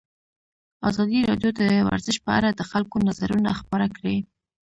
ازادي راډیو د ورزش په اړه د خلکو نظرونه خپاره کړي.